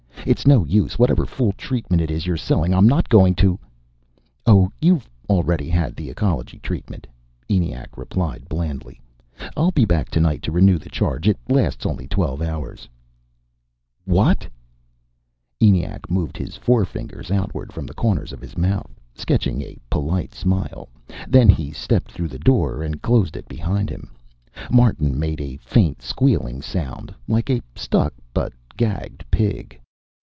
"It's no use. Whatever fool treatment it is you're selling, I'm not going to " "Oh, you've already had the ecology treatment," ENIAC replied blandly. "I'll be back tonight to renew the charge. It lasts only twelve hours." "What!" ENIAC moved his forefingers outward from the corners of his mouth, sketching a polite smile. Then he stepped through the door and closed it behind him. Martin made a faint squealing sound, like a stuck but gagged pig.